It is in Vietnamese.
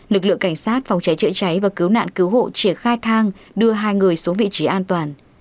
lực lượng cảnh sát phòng cháy chữa cháy và cứu nạn cứu hộ triển khai thang đưa hai người xuống vị trí an toàn